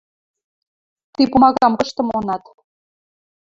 – Ти пумагам кысты монат?